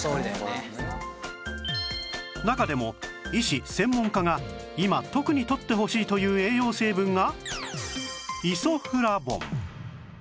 中でも医師・専門家が今特にとってほしいという栄養成分が